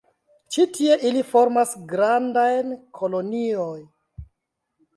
Ĉi tie ili formas grandajn kolonioj.